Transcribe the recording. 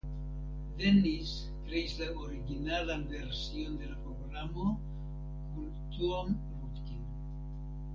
Dennis kreis la originalan version de la programo kun Tom Rudkin.